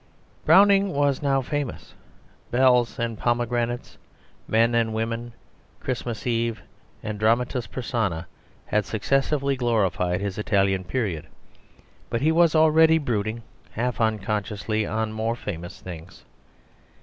Browning was now famous, Bells and Pomegranates, Men and Women, Christmas Eve, and Dramatis Personæ had successively glorified his Italian period. But he was already brooding half unconsciously on more famous things.